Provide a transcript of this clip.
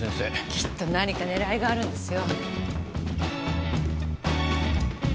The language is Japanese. きっと何か狙いがあるんですよ